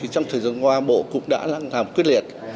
trong thời gian qua bộ cũng đã làm quyết liệt